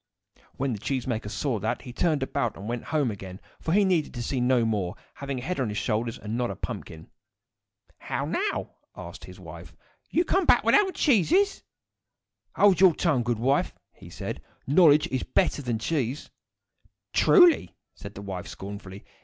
When the cheese maker saw that, he turned about and went home again, for he needed to see no more, having a head on his shoulders, and not a pumpkin. "How now?" asked his wife. "You come back without the cheeses?" "Hold your tongue, good wife!" he said. "Knowledge is better than cheese." "Truly!" said the wife, scornfully.